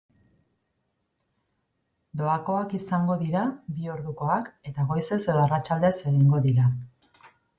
Doakoak izango dira, bi ordukoak, eta goizez edo arratsaldez egingo dira.